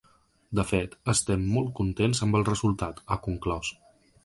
De fet, estem molt contents amb el resultat, ha conclòs.